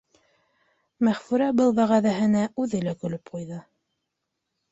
— Мәғфүрә был вәғәҙәһенәүҙе лә көлөп ҡуйҙы.